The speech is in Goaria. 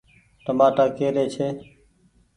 چمآٽآ ڪي ري ڇي ۔